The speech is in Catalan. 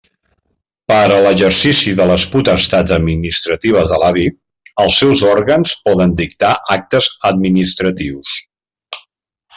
Per a l'exercici de les potestats administratives de l'AVI, els seus òrgans poden dictar actes administratius.